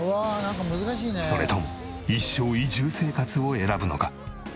それとも一生移住生活を選ぶのか？